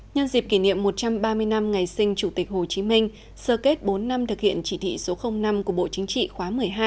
nhân dịp kỷ niệm một trăm ba mươi năm ngày sinh chủ tịch hồ chí minh sơ kết bốn năm thực hiện chỉ thị số năm của bộ chính trị khóa một mươi hai